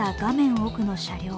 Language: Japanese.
奥の車両。